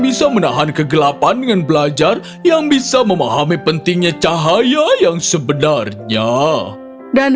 bisa menahan kegelapan dengan belajar yang bisa memahami pentingnya cahaya yang sebenarnya dan